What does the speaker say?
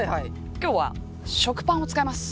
今日は食パンを使います。